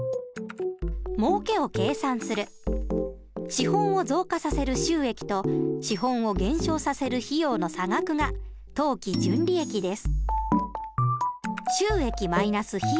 資本を増加させる収益と資本を減少させる費用の差額が当期純利益です。